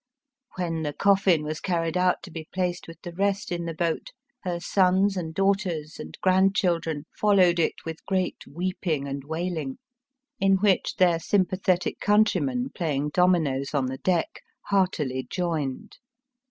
When the coffin was carried out to be placed with the rest in the boat, her sons and daughters and grandchildren followed it with great weeping and wailing, in which their Digitized by VjOOQIC THE HEATHEN CHINEE. 173 sympathetic countrymeii, playing dominoes on the deck, heartily joined.